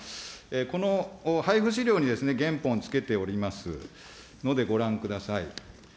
この配布資料に原本つけておりますのでご覧ください。